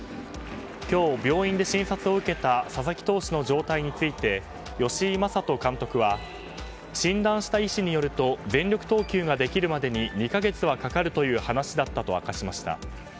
今日、病院で診察を受けた佐々木投手の状態について吉井理人監督は診断した医師によると全力投球ができるまでに２か月はかかるという話だったと明かしました。